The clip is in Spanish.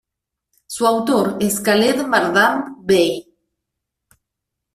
Su autor es Khaled Mardam-Bey.